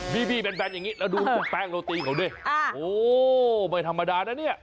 บี่บี่แบนแบนอย่างนี้แล้วดูคุณแป้งโรตีเขาด้วยไม่ธรรมดานัเนี่ย